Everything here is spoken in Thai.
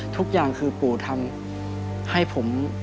ทุกอย่างคือปู่ทำให้ผม